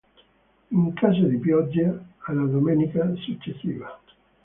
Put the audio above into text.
In caso di pioggia, alla domenica successiva.